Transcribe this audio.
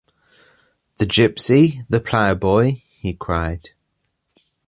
'The gipsy — the ploughboy?’ he cried.